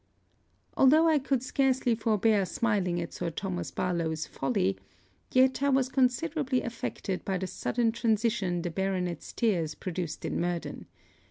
Although I could scarcely forbear smiling at Sir Thomas Barlowe's folly, yet I was considerably affected by the sudden transition the baronet's tears produced in Murden.